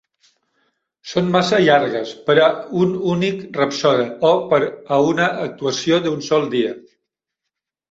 Són massa llargues per a un únic rapsode o per a una actuació d'un sol dia.